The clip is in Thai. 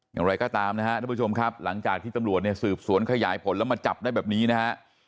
อย่างไรก็ตามนะครับทุกผู้ชมครับหลังจากที่ตำรวจเนี่ยสืบสวนขยายผลแล้วมาจับได้แบบนี้นะฮะ